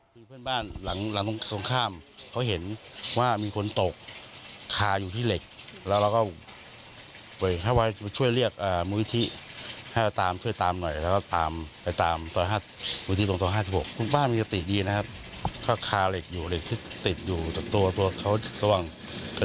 คุณป้าจะติดดีกว่าง่ายก็คือรองศูนย์ที่มา